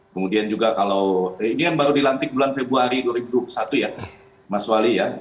kemudian juga kalau ini kan baru dilantik bulan februari dua ribu dua puluh satu ya mas wali ya